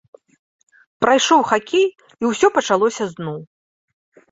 Прайшоў хакей, і ўсё пачалося зноў.